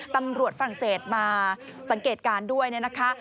ตำรวจฝรั่งเศสมาสังเกตการณ์ด้วยนะคะ